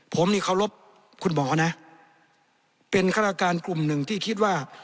ผมนี่เคารพคุณหมอนะเป็นฆาตการกลุ่มหนึ่งที่คิดว่า